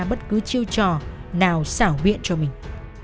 bất cứ chiêu trò nào xảo biện cho mình